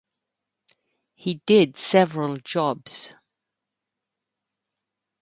He did several jobs.